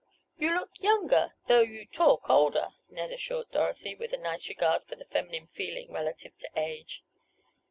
"You look younger though you talk older," Ned assured Dorothy, with a nice regard for the feminine feeling relative to age.